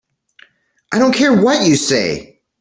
I don't care what you say.